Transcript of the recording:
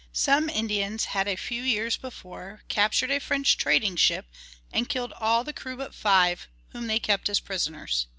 Some Indians had a few years before captured a French trading ship, and killed all the crew but five, whom they kept as prisoners.